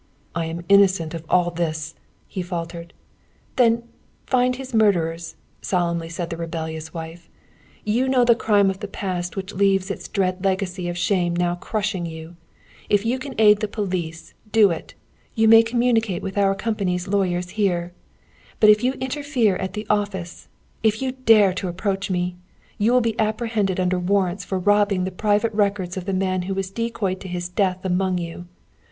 "I am innocent of all this," he faltered. "Then, find his murderers!" solemnly said the rebellious wife. "You know the crime of the past which leaves its dread legacy of shame now crushing you. If you can aid the police, do it! You may communicate with our company's lawyers here. "But if you interfere at the office, if you dare to approach me, you will be apprehended under warrants for robbing the private records of the man who was decoyed to his death among you.